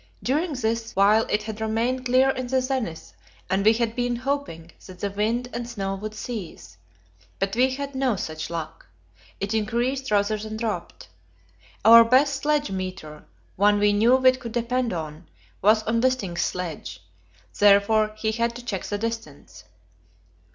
During this while it had remained clear in the zenith, and we had been hoping that the wind and snow would cease; but we had no such luck it increased rather than dropped. Our best sledge meter one we knew we could depend on was on Wisting's sledge; therefore he had to check the distance.